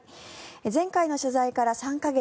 前回の取材から３か月。